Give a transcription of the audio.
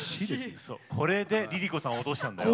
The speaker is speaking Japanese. これでＬｉＬｉＣｏさんを落としたんだよ。